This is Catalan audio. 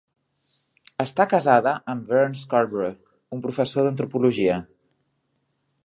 Està casada amb Vern Scarborough, un professor d'antropologia.